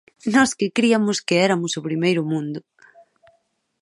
Nos que criamos que éramos o primeiro mundo!